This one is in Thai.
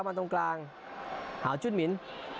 เข้ามาตรงกลางหาวจุดหมิน